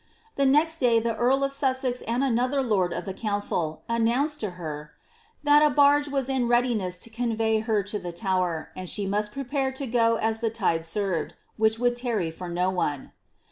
The next day, the earl of Sussex and another lord of the coonciU announced to her ^^ that a barge was in readiness to convey her 10 the Tower, and she must prepare to go as the tide served, which would tarry for no one."